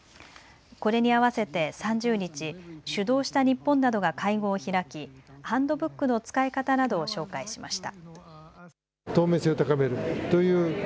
これに合わせて３０日、主導した日本などが会合を開きハンドブックの使い方などを紹介しました。